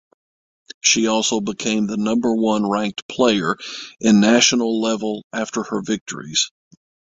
She also became the number one ranked player in national level after her victories.